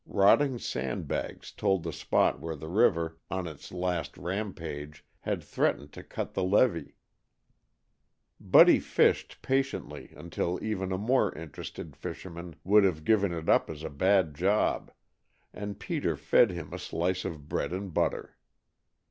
Rotting sand bags told the spot where the river, on its last "rampage" had threatened to cut the levee. Buddy fished patiently until even a more interested fisherman would have given it up as a bad job, and Peter fed him a slice of bread and butter.